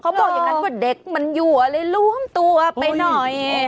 บอกอย่างนั้นว่าเด็กมันอยู่เลยรวมตัวไปหน่อย